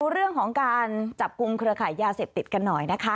เรื่องของการจับกลุ่มเครือขายยาเสพติดกันหน่อยนะคะ